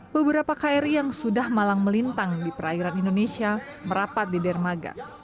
beberapa kri yang sudah malang melintang di perairan indonesia merapat di dermaga